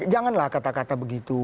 janganlah kata kata begitu